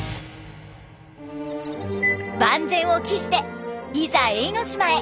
万全を期していざ永ノ島へ。